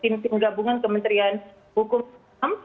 tim tim gabungan kementerian hukum dan ham